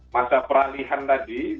masa peralihan tadi